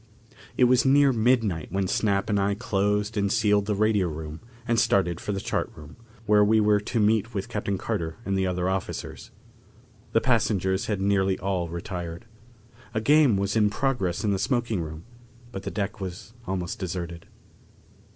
It was near midnight when Snap and I closed and sealed the radio room and started for the chart room, where we were to meet with Captain Carter and the other officers. The passengers had nearly all retired. A game was in progress in the smoking room, but the deck was almost deserted.